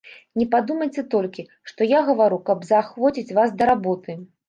Не падумайце толькі, што я гавару, каб заахвоціць вас да работы.